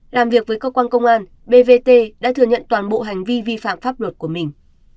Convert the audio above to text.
làm việc với cơ quan công an bvt đã thừa nhận toàn bộ hành vi vi phạm pháp luật của mình